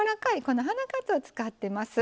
この花かつおを使ってます。